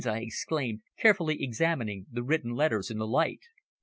I exclaimed, carefully examining the written characters in the light.